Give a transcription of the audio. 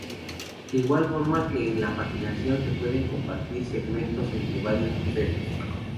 De igual forma que en la paginación, se pueden compartir segmentos entre varios procesos.